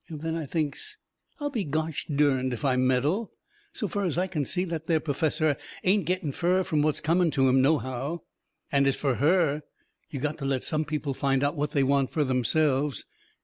And then I thinks: "I'll be gosh derned if I meddle. So fur as I can see that there perfessor ain't getting fur from what's coming to him, nohow. And as fur HER, you got to let some people find out what they want fur theirselves.